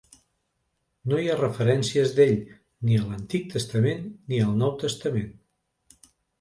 No hi ha referències d'ell ni a l'Antic Testament ni al Nou Testament.